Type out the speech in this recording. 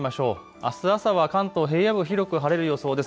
あす朝は関東平野部、広く晴れる予想です。